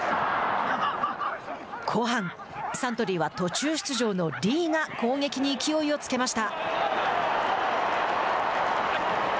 後半、サントリーは途中出場のリーが攻撃に勢いをつけました。